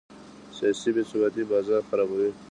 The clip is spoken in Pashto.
سیاسي بې ثباتي بازار خرابوي.